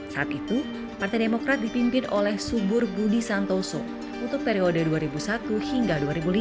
saat itu partai demokrat dipimpin oleh subur budi santoso untuk periode dua ribu satu hingga dua ribu lima